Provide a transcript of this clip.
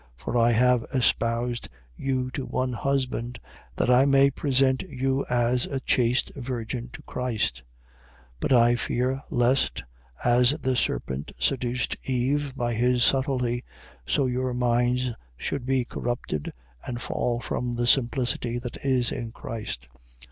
For I have espoused you to one husband, that I may present you as a chaste virgin to Christ. 11:3. But I fear lest, as the serpent seduced Eve by his subtilty, so your minds should be corrupted and fall from the simplicity that is in Christ.